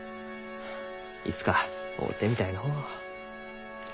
いつか会うてみたいのう。